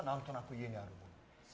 家にあったもの。